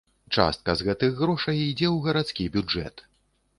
Частка з гэтых грошай ідзе ў гарадскі бюджэт.